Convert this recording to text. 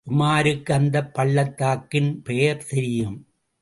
உமாருக்கு அந்தப் பள்ளத்தாக்கின் பெயர் தெரியும்.